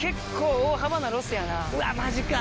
うわマジか。